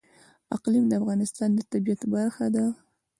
اقلیم د افغانستان د طبیعت برخه ده.